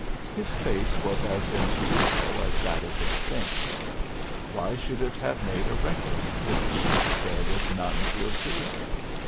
His face was as inscrutable as that of the sphinx. Why should it have made a record which there was none to observe?